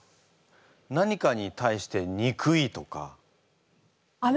何かに対して憎いとか。